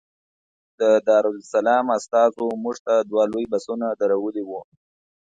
د دارالسلام استازو موږ ته دوه لوی بسونه درولي وو.